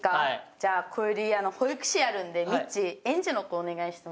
じゃあこより保育士やるんでみっちー園児の子お願いしてもいい？